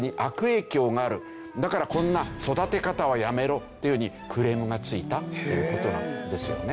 だからこんな育て方はやめろというようにクレームがついたという事なんですよね。